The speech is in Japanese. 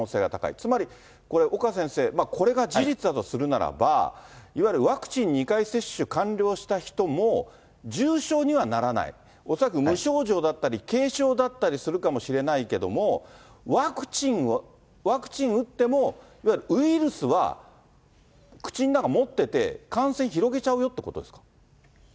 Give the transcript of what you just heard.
つまり、これ、岡先生、これが事実だとするならば、いわゆるワクチン２回接種完了した人も、重症にはならない、恐らく無症状だったり、軽症だったりするかもしれないけども、ワクチン打っても、いわゆるウイルスは、口の中、持ってて、感染広げちゃうよってことですか？